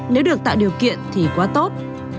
nếu được tạo điều kiện thì quá tốt